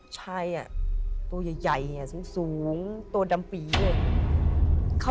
ชายตัวใหญ่สูงตัวดำปีเลย